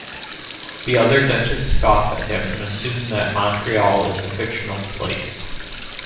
The other dentists scoff at him and assume that Montreal is a fictional place.